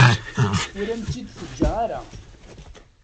Ur am-tt-id-teǧǧa ara.